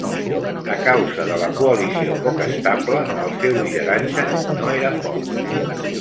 A causa de la coalició poc estable, el seu lideratge no era fort.